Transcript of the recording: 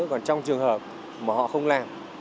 còn trong trường hợp mà họ không làm